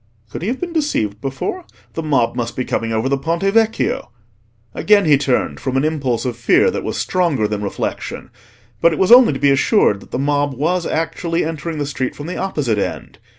Could he have been deceived before? The mob must be coming over the Ponte Vecchio. Again he turned, from an impulse of fear that was stronger than reflection; but it was only to be assured that the mob was actually entering the street from the opposite end.